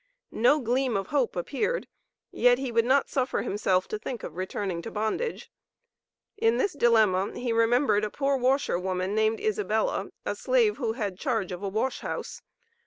No gleam of hope appeared, yet he would not suffer himself to think of returning to bondage. In this dilemma he remembered a poor washer woman named Isabella, a slave who had charge of a wash house.